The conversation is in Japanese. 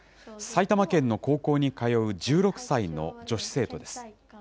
埼玉県の高校に通う１６歳の女子生徒です。